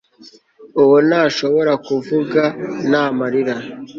Uwo ntashobora kuvuga nta marira